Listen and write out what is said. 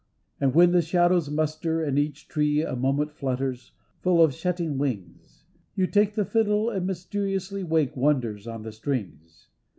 And when the shadows muster, and each tree A moment flutters, full of shutting wings, You take the fiddle and mysteriously Wake wonders on the strings.